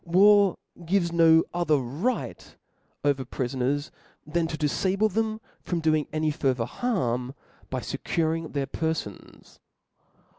War gives no other right over prifoners than to difable them from doing any farther harm, by fecuring their perfons.